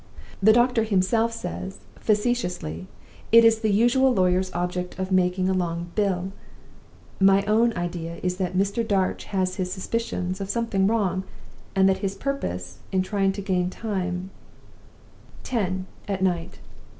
The doctor himself says, facetiously, it is the usual lawyer's object of making a long bill. My own idea is that Mr. Darch has his suspicions of something wrong, and that his purpose in trying to gain time ""Ten, at night.